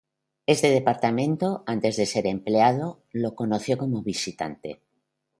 Este departamento, antes de ser empleado, lo conoció como visitante.